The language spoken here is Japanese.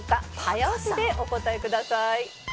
「早押しでお答えください」